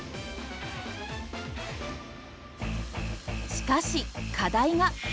しかし課題が。